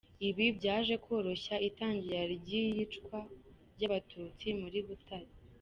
Ibi byaje koroshya itangira ry’iyicwa ry’Abatutsi muri Butare.